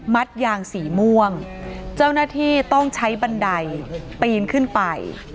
ยางสีม่วงเจ้าหน้าที่ต้องใช้บันไดปีนขึ้นไป